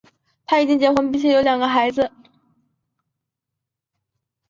他已经结婚并有两个孩子。